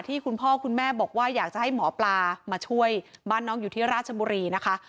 คุณพ่อคุณแม่บอกว่าอยากจะให้หมอปลามาช่วยบ้านน้องอยู่ที่ราชบุรีนะคะ